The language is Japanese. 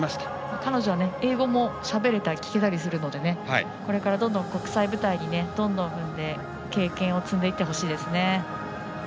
彼女は英語もしゃべれたり聞けたりするのでこれから国際舞台をどんどん踏んで経験を積んでいってほしいですね。